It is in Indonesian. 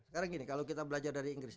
sekarang gini kalau kita belajar dari inggris